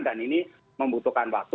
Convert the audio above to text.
dan ini membutuhkan waktu